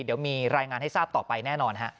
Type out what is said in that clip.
เดี๋ยวมีรายงานให้ทราบต่อไปแน่นอนฮะ